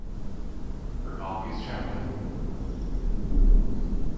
Her hobby is travelling.